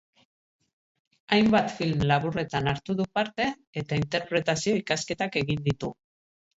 Hainbat film laburretan hartu du parte eta interpretazio ikasketak egin ditu.